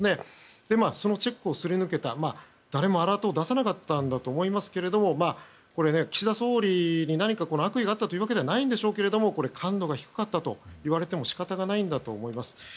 そのチェックをすり抜けた、誰もアラートを出さなかったんだと思いますがこれは岸田総理に悪意があったというわけではないでしょうが感度が低かったと言われても仕方ないと思います。